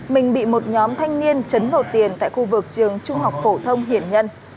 mình bị một nhóm thanh niên chấn lột tiền tại khu vực trường trung học phổ thông hiển nhân